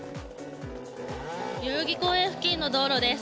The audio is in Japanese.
代々木公園付近の道路です。